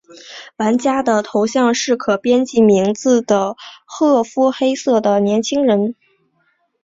玩家的头像是可编辑名字的褐肤黑发的年轻人。